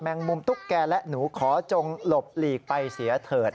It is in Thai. งมุมตุ๊กแก่และหนูขอจงหลบหลีกไปเสียเถิด